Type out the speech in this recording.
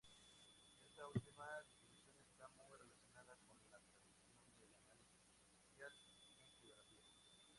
Esta última definición está muy relacionada con la tradición del análisis espacial en geografía.